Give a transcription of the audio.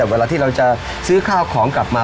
เวลาที่เราจะซื้อข้าวของกลับมา